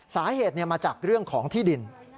สาเหตุมาจากเรื่องของที่ดิน